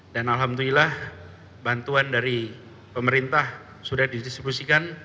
dan alhamdulillah bantuan dari pemerintah sudah didistribusikan